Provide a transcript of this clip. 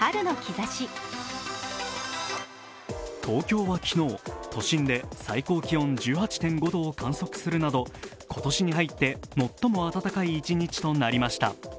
東京は昨日、都心で最高気温１８．５度を観測するなど、今年に入って最も暖かい一日となりました。